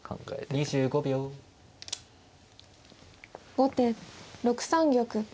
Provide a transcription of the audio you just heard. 後手６三玉。